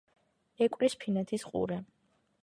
ეკვრის ფინეთის ყურე.